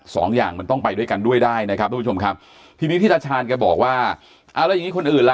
สองอย่างมันต้องไปด้วยกันด้วยได้นะครับทุกผู้ชมครับทีนี้ที่ตาชาญแกบอกว่าเอาแล้วอย่างงี้คนอื่นล่ะ